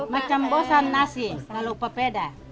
macam bosan nasi kalau papeda